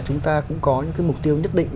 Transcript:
chúng ta cũng có những cái mục tiêu nhất định